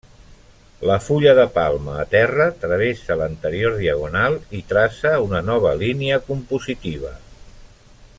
La fulla de palma a terra travessa l'anterior diagonal i traça una nova línia compositiva.